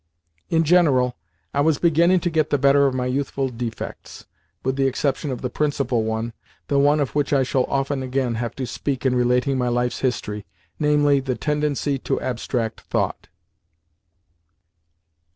In general, I was beginning to get the better of my youthful defects, with the exception of the principal one—the one of which I shall often again have to speak in relating my life's history—namely, the tendency to abstract thought.